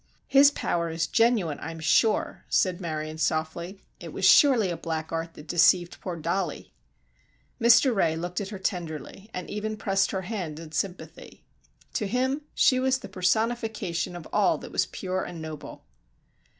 "His power is genuine, I am sure," said Marion softly. "It was surely a black art that deceived poor Dollie." Mr. Ray looked at her tenderly, and even pressed her hand in sympathy. To him she was the personification of all that was pure and noble.